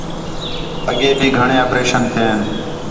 اگے بھی گھݨے اپریشن تھئین